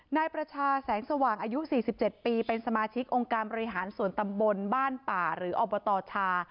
นายประชาแสงสว่างอายุ๔๗ปีเป็นสมาชิกองค์การบริหารส่วนตำบลบ้านป่าหรืออบตชา